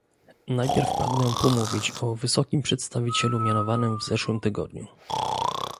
Najpierw pragnę pomówić o wysokim przedstawicielu mianowanym w zeszłym tygodniu